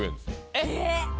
えっ！